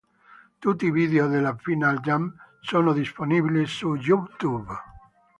Tutti i video della "Final Jam" sono disponibili su YouTube.